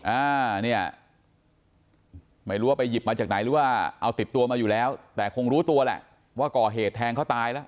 อ่าเนี่ยไม่รู้ว่าไปหยิบมาจากไหนหรือว่าเอาติดตัวมาอยู่แล้วแต่คงรู้ตัวแหละว่าก่อเหตุแทงเขาตายแล้ว